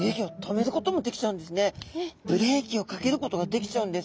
ブレーキをかけることができちゃうんです。